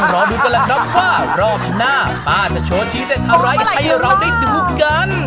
รอบหน้าป๊าจะโชว์ชี้ได้อะไรให้เราได้ดูกัน